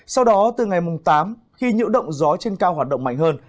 sau đó từ ngày mùng tám khi nhiễu động gió trên cao hoạt động mạnh hơn